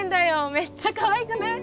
めっちゃかわいくない？